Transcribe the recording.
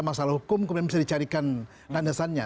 masalah hukum kemudian bisa dicarikan landasannya